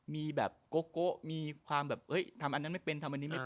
มีแบบโกะมีความแบบเอ้ยทำอันนั้นไม่เป็นทำอันนี้ไม่เป็น